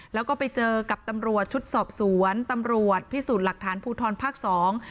แล้วก็ไปเจอกับตำรวจชุดสอบสวนตำรวจพิสูจน์หลักฐานภูทรภาคสอง